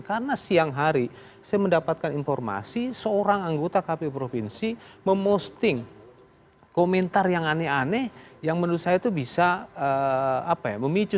karena siang hari saya mendapatkan informasi seorang anggota kpu provinsi memosting komentar yang aneh aneh yang menurut saya itu bisa memicu